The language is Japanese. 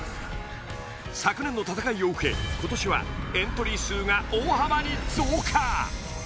昨年の戦いを受け今年はエントリー数が大幅に増加！